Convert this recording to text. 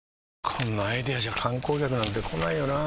こんなアイデアじゃ観光客なんて来ないよなあ